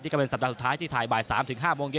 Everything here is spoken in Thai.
ก็เป็นสัปดาห์สุดท้ายที่ถ่ายบ่าย๓๕โมงเย็น